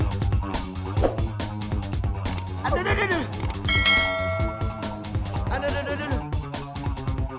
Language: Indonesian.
aduh aduh aduh